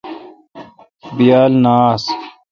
بیال نہ آس۔